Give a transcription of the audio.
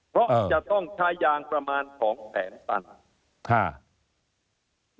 เพราะจะต้องใช้ยางประมาณ๒แสนตัน